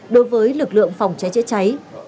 đối với lực lượng phòng cháy chữa cháy